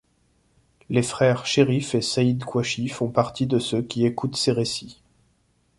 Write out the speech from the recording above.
Les frères Chérif et Saïd Kouachi font partie de ceux qui écoutent ses récits.